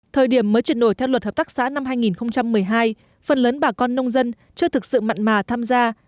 thời điểm mới chuyển đổi theo luật hợp tác xã năm hai nghìn một mươi hai phần lớn bà con nông dân chưa thực sự mặn mà tham gia